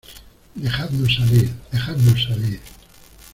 ¡ dejadnos salir! ¡ dejadnos salir !